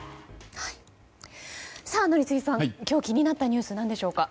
宜嗣さん、今日気になったニュース何でしょうか。